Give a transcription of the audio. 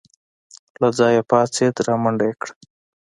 له ځايه پاڅېد رامنډه يې کړه.